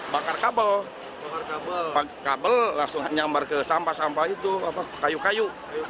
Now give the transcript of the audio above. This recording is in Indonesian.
bakar kabel kabel langsung nyambar ke sampah sampah itu kayu kayu